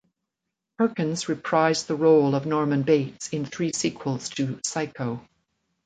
Perkins reprised the role of Norman Bates in three sequels to "Psycho".